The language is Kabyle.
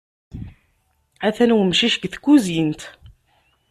Atan umcic deg tkuzint.